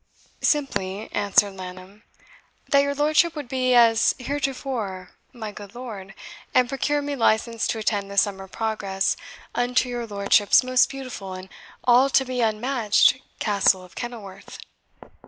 "Simply," answered Laneham, "that your lordship would be, as heretofore, my good lord, and procure me license to attend the Summer Progress unto your lordship's most beautiful and all to be unmatched Castle of Kenilworth."